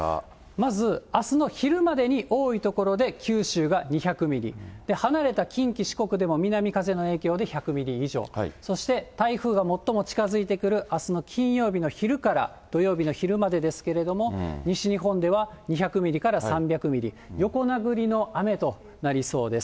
まずあすの昼までに多い所で九州が２００ミリ、離れた近畿、四国でも南風の影響で１００ミリ以上、そして台風が最も近づいてくるあすの金曜日の昼から土曜日の昼までですけれども、西日本では２００ミリから３００ミリ、横殴りの雨となりそうです。